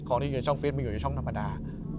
ของที่อยู่ในช่องฟิศมาอยู่ในช่องธรรมดา